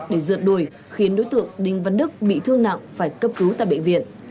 để rượt đuổi khiến đối tượng đinh văn đức bị thương nặng phải cấp cứu tại bệnh viện